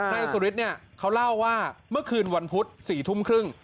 นายสุรินเนี่ยเขาเล่าว่าเมื่อคืนวันพุธ๔ทุ่มครึ่ง